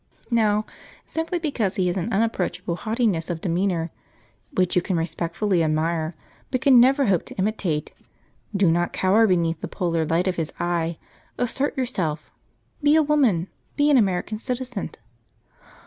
Now, simply because he has an unapproachable haughtiness of demeanour, which you can respectfully admire, but can never hope to imitate, do not cower beneath the polar light of his eye; assert yourself; be a woman; be an American citizen!'